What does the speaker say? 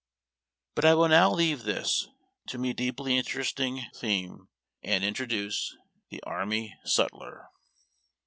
But I will now leave this — to me deeply interesting theme — and introduce THE ARMY SUTLER.